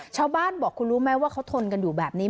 ชาวบ้านบอกคุณรู้ไหมว่าเขาทนกันอยู่แบบนี้